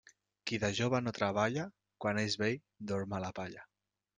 Qui de jove no treballa, quan és vell dorm a la palla.